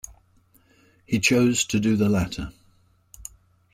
He chose to do the latter.